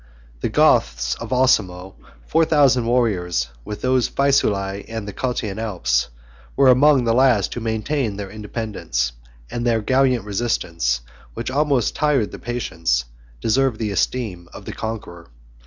The Goths of Osimo, 1041 four thousand warriors, with those of Faesulae and the Cottian Alps, were among the last who maintained their independence; and their gallant resistance, which almost tired the patience, deserved the esteem, of the conqueror.